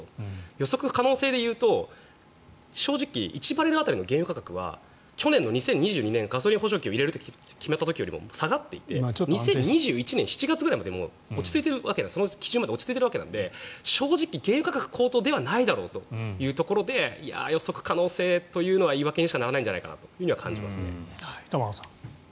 予測可能性で言うと正直１バレル当たりの原油価格は去年の２０２２年ガソリン補助金を入れる時よりも下がっていて２０２１年７月くらいの基準まで落ち着いているわけなので正直、原油価格高騰ではないだろうというところで予測可能性というのは言い訳にしかならないんじゃないかなと。